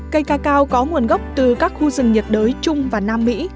cây cacao có nguồn gốc từ các khu rừng nhiệt đới trung và nam mỹ